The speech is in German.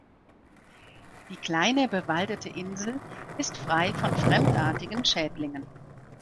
Die kleine bewaldete Insel ist frei von fremdartigen Schädlingen.